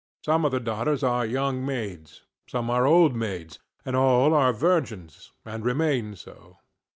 Some of the daughters are young maids, some are old maids, and all are virgins and remain so.